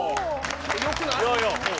よくない？